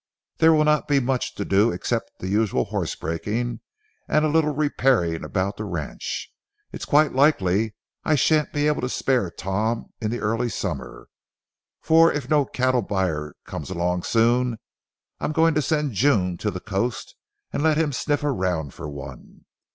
There will not be much to do except the usual horse breaking and a little repairing about the ranch. It's quite likely I shan't be able to spare Tom in the early summer, for if no cattle buyers come along soon, I'm going to send June to the coast and let him sniff around for one.